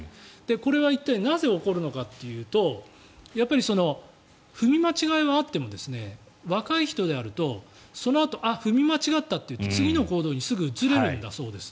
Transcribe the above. これは一体なぜ起こるのかというと踏み間違いはあっても若い人であるとそのあと踏み間違ったといって次の行動にすぐ移れるんだそうです。